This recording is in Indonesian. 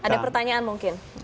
ada pertanyaan mungkin